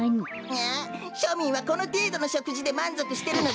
ああしょみんはこのていどのしょくじでまんぞくしてるのですか？